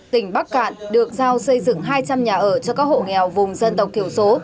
tỉnh bắc cạn được giao xây dựng hai trăm linh nhà ở cho các hộ nghèo vùng dân tộc thiểu số